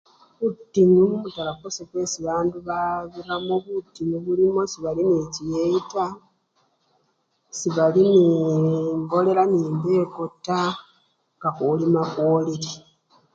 Butinyu mumutala kwase bwesi bandu babiramo, butinyu bulimo sebali nechiyeyi taa, sebali nembolela nembeko taa nga khulima khwolile.